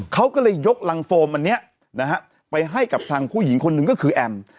เขาก็เลยยกรังโฟมอันนี้นะฮะไปให้กับทางผู้หญิงคนหนึ่งก็คือแอม